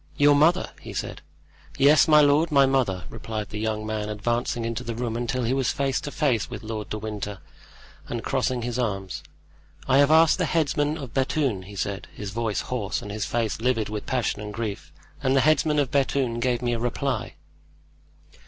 "Your mother?" he said. "Yes, my lord, my mother," replied the young man, advancing into the room until he was face to face with Lord de Winter, and crossing his arms. "I have asked the headsman of Bethune," he said, his voice hoarse and his face livid with passion and grief. "And the headsman of Bethune gave me a reply."